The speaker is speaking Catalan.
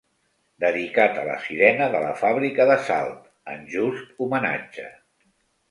Dedicat a la sirena de la fàbrica de Salt, en just homenatge.